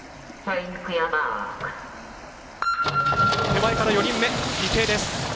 手前から４人目が池江です。